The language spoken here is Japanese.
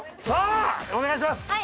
さあお願いします！